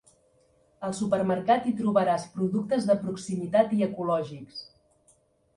Al supermercat hi trobaràs productes de proximitat i ecològics.